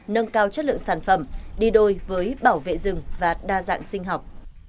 nâng cao chất lượng sản phẩm đi đôi với bảo vệ rừng và đa dạng sinh học